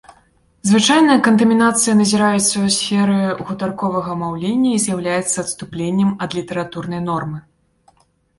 Звычайна, кантамінацыя назіраецца ў сферы гутарковага маўлення і з'яўляецца адступленнем ад літаратурнай нормы.